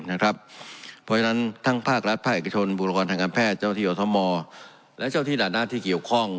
เพราะฉะนั้นทั้งภาครัฐภาคเอกชนบุรกรทางการแพทย์เจ้าที่อทมและเจ้าที่ด่านหน้าที่เกี่ยวข้อง